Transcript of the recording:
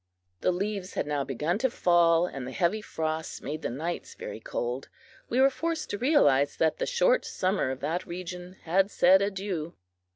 The leaves had now begun to fall, and the heavy frosts made the nights very cold. We were forced to realize that the short summer of that region had said adieu!